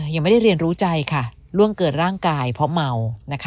ยังไม่ได้เรียนรู้ใจค่ะล่วงเกิดร่างกายเพราะเมา